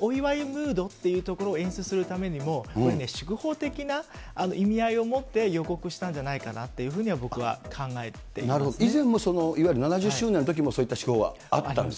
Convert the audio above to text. お祝いムードっていうところを演出するためにも、これね、祝砲的な意味合いを持って予告したんじゃないかなっていうふうになるほど、以前もいわゆる７０周年のときも、そういった手法はあったんですか。